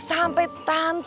sampai tante itu gak bisa